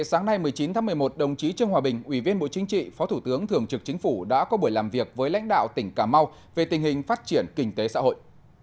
sáng nay một mươi chín tháng một mươi một đồng chí trương hòa bình ủy viên bộ chính trị phó thủ tướng thường trực chính phủ đã có buổi làm việc với lãnh đạo tỉnh cà mau về tình hình phát triển kinh tế xã hội